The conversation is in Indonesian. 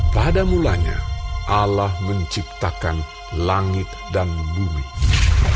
pada mulanya allah menciptakan langit dan bumi ini